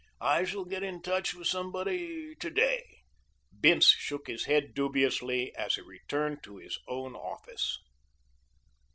"I shall get in touch with somebody today." Bince shook his head dubiously as he returned to his own office.